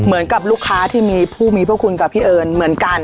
เหมือนกับลูกค้าที่มีผู้มีพวกคุณกับพี่เอิญเหมือนกัน